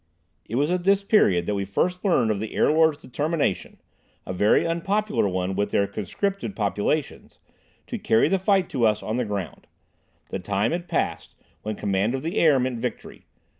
It was at this period that we first learned of the Airlords' determination, a very unpopular one with their conscripted populations, to carry the fight to us on the ground. The time had passed when command of the air meant victory.